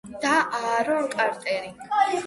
და აარონ კარტერი.